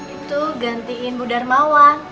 itu gantiin bu darmawan